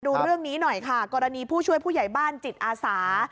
ดูเรื่องนี้หน่อยค่ะกรณีผู้ช่วยผู้ใหญ่บ้านจิตอาสา